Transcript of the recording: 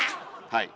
はい。